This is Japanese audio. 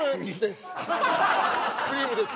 クリームです